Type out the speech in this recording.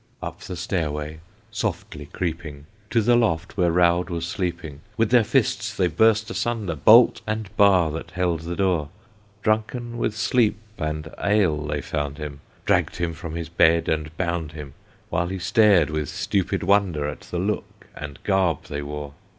Up the stairway, softly creeping, To the loft where Raud was sleeping, With their fists they burst asunder Bolt and bar that held the door. Drunken with sleep and ale they found him, Dragged him from his bed and bound him, While he stared with stupid wonder, At the look and garb they wore.